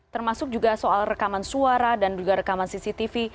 termasuk juga soal rekaman suara dan juga rekaman cctv